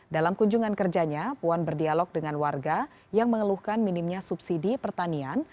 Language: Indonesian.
dalam kunjungan kerjanya puan berdialog dengan warga yang mengeluhkan minimnya subsidi pertanian